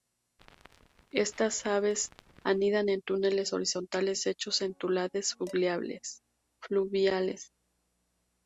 Estas aves anidan en túneles horizontales hechos en taludes fluviales.